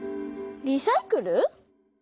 リサイクル？